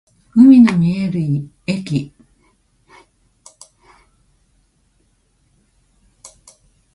海の見える駅